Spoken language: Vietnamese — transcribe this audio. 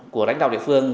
của đánh đạo địa phương